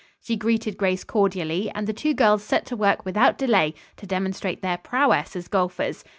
She greeted Grace cordially and the two girls set to work without delay to demonstrate their prowess as golfers.